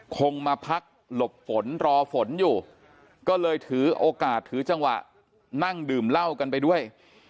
คงมาพักหลบฝนรอฝนอยู่ก็เลยถือโอกาสถือจังหวะนั่งดื่มเหล้ากันไปด้วย